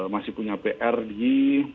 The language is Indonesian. masih punya pr di